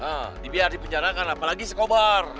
nah dibiar dipenjarakan apalagi si kobar